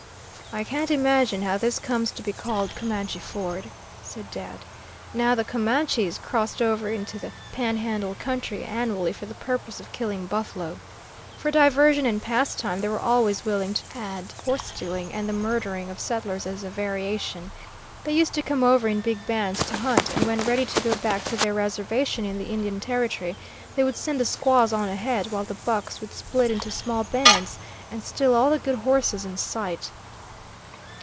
"I can't imagine how this comes to be called Comanche Ford," said Dad. "Now the Comanches crossed over into the Panhandle country annually for the purpose of killing buffalo. For diversion and pastime, they were always willing to add horse stealing and the murdering of settlers as a variation. They used to come over in big bands to hunt, and when ready to go back to their reservation in the Indian Territory, they would send the squaws on ahead, while the bucks would split into small bands and steal all the good horses in sight.